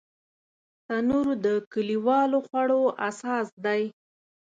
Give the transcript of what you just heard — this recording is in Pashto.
تنور د کلیوالو خوړو اساس دی